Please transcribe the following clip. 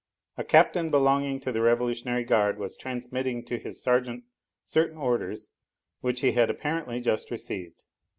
A captain belonging to the Revolutionary Guard was transmitting to his sergeant certain orders, which he had apparently just received.